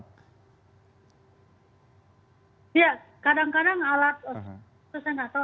ya kadang kadang alat itu saya enggak tahu